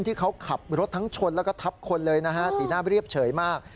ที่เขาขับรถทั้งชนแล้วก็ทับคนเลยนะฮะสีหน้าเรียบเฉยมาก